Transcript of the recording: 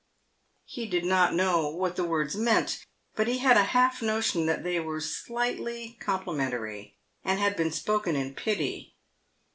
He did not know what the words meant, but he had a half notion that they were slightly complimentary, and had been spoken in pity.